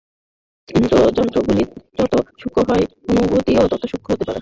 ইন্দ্রিয়যন্ত্রগুলি যত সূক্ষ্ম হয়, অনুভূতিও তত সূক্ষ্ম হইতে থাকে।